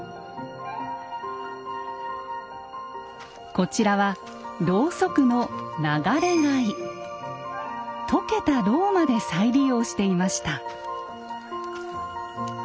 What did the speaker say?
こちらはロウソクの溶けたロウまで再利用していました。